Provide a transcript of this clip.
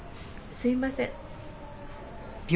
すいません。